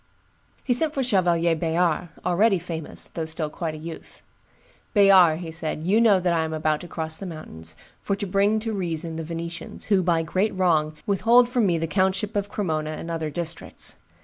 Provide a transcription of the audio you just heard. He sent for Chevalier Bayard, already famous, though still quite a youth. "Bayard," said he, "you know that I am about to cross the mountains, for to bring to reason the Venetians, who by great wrong withhold from me the countship of Cremona and other districts.